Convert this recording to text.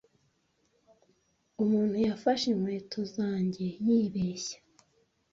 Umuntu yafashe inkweto zanjye yibeshya.